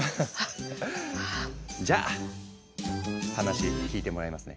じゃあ話聞いてもらいますね。